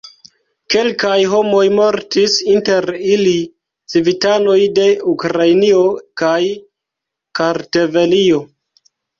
Kelkaj homoj mortis, inter ili civitanoj de Ukrainio kaj Kartvelio.